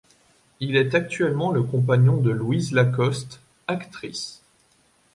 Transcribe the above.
Il est actuellement le compagnon de Louise Lacoste, actrice.